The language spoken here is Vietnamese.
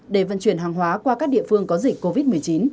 để vận chuyển hàng hóa qua các địa phương có dịch covid một mươi chín